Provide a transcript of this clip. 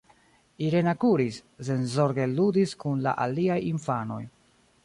Irena kuris, senzorge ludis kun la aliaj infanoj.